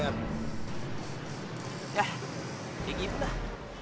yah kayak gitu lah